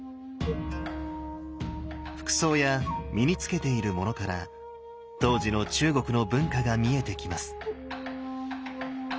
服装や身に着けているものから当時の中国の文化が見えてきます。